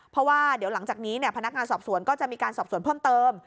เพราะว่าเดี๋ยวหลังจากนี้พนักงานสอบสวนก็จะมีการสอบสวนเพิ่มเติม